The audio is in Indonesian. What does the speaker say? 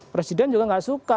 presiden juga tidak suka